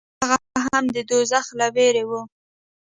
هغه هم د دوزخ له وېرې و.